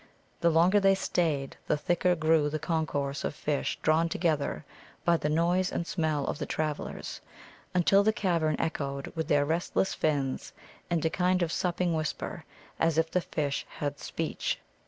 The longer they stayed, the thicker grew the concourse of fish drawn together by the noise and smell of the travellers, until the cavern echoed with their restless fins and a kind of supping whisper, as if the fish had speech.